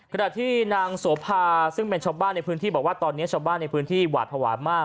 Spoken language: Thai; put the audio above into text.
ขณะที่นางโสภาซึ่งเป็นชาวบ้านในพื้นที่บอกว่าตอนนี้ชาวบ้านในพื้นที่หวาดภาวะมาก